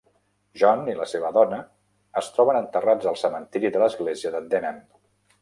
John i la seva dona es troben enterrats al cementiri de l'església de Denham.